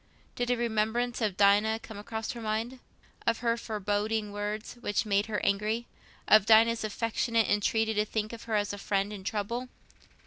Did a remembrance of Dinah come across her mind? Of her foreboding words, which had made her angry? Of Dinah's affectionate entreaty to think of her as a friend in trouble?